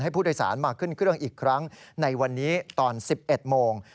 ผู้โดยสารมาขึ้นเครื่องอีกครั้งในวันนี้ตอน๑๑โมง